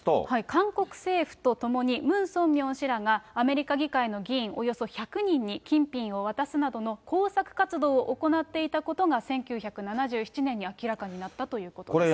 韓国政府と共に、ムン・ソンミョン氏らが、アメリカ議会の議員およそ１００人に、金品を渡すなどの工作活動を行っていたことが、１９７７年に明らかになったということです。